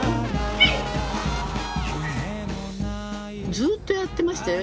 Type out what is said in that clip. ずっとやってましたよ。